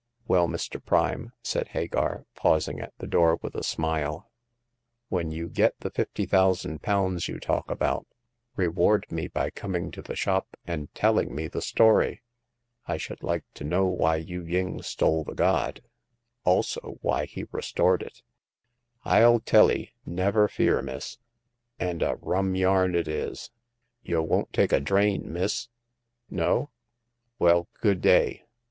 " Well, Mr. Prime," said Hagar, pausing at the door, with a smile, "when you get the fifty thousand pounds you talk about, reward me by coming to the shop, and telling me the story. I should like to know why Yu ying stole the god ; also why he restored it." " FU tell *ee, never fear, miss ; and a rum yarn it is. Y' won't take a drain, miss ? No ? Well, good day